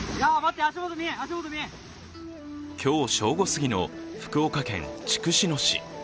今日正午すぎの福岡県筑紫野市。